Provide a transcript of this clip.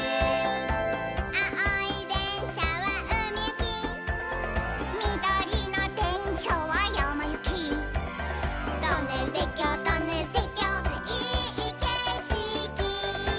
「あおいでんしゃはうみゆき」「みどりのでんしゃはやまゆき」「トンネルてっきょうトンネルてっきょういいけしき」